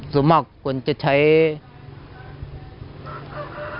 ส่วนมากคิดสมเดียว